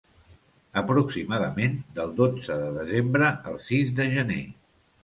Aproximadament del dotze de desembre al sis de gener.